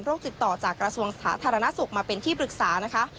ติดต่อจากกระทรวงสาธารณสุขมาเป็นที่ปรึกษานะคะ